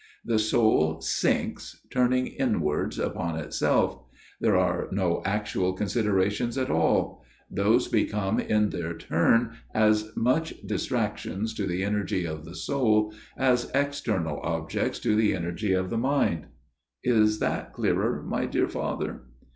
The soul sinks, turning inwards upon itself. .. there are no actual considerations at all ; those become in their turn as much distractions to the energy of the soul as external objects to the energy of the mind. ... Is that clearer, my dear Father